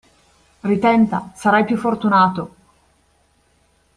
Ritenta, sarai più fortunato!